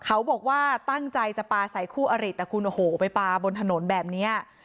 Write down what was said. เขาบอกว่าตั้งใจจะปลาใส่คู่อริแต่คุณโอ้โหไปปลาบนถนนแบบนี้